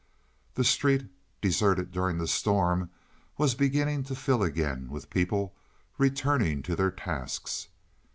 The street, deserted during the storm, was beginning to fill again with people returning to their tasks.